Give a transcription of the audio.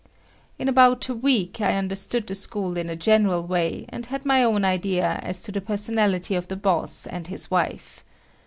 In about a week I understood the school in a general way, and had my own idea as to the personality of the boss and his wife.